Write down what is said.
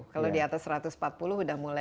kalau di atas satu ratus empat puluh udah mulai